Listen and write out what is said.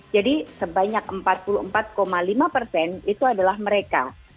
jadi sebanyak empat puluh empat lima persen itu adalah mereka